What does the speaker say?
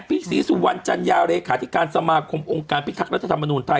พี่ศรีสุวรรณจันทร์ยาวริคาธิการสมาคมองค์การพิทักษ์รัฐธรรมนุนไทย